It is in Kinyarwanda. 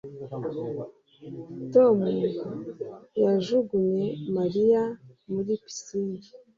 Tom yajugunye Mariya muri pisine